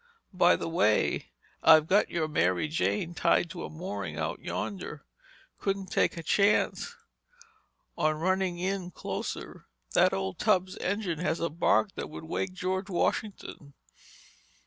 By the way, I've got your Mary Jane tied to a mooring out yonder—Couldn't take a chance on running in closer. That old tub's engine has a bark that would wake George Washington."